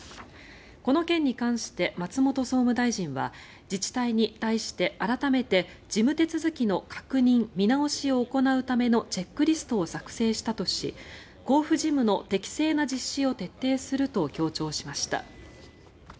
この件に関して松本総務大臣は自治体に対して改めて事務手続きの確認・見直しを行うためのチェックリストを作成したとし交付事務の適正な実施を徹底すると強調しました。